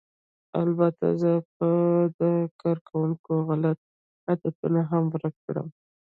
البته زه به د کارکوونکو غلط عادتونه هم ورک کړم